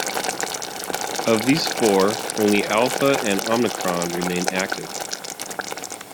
Of these four, only Alpha and Omicron remain active.